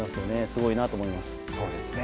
すごいなと思います。